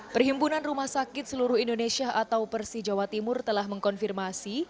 perhimpunan rumah sakit seluruh indonesia atau persi jawa timur telah mengkonfirmasi